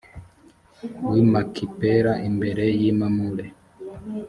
w i makipela imbere y i mamure